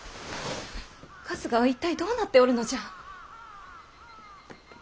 春日は一体どうなっておるのじゃ。